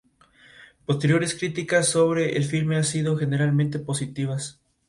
Entonces debería haber una correlación con uno u otro ratio, pero no con ambos.